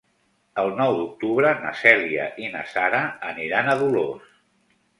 El nou d'octubre na Cèlia i na Sara aniran a Dolors.